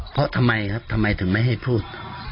เพราะทำไมครับทำไมถึงไม่ให้พูด